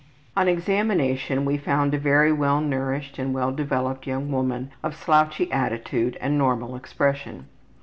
On examination we found a very well nourished and well developed young woman of slouchy attitude and normal expression.